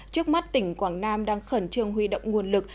trước mắt tỉnh quảng nam đang khẩn trương huy động nguồn lực